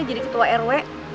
jadi ketua rw